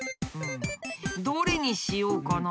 どれにしようかな。